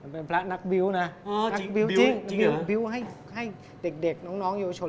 เป็นพระนักบิ้วนะจริงบิ้วให้เด็กน้องโยชน